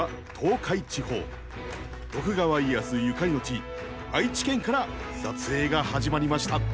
徳川家康ゆかりの地愛知県から撮影が始まりました。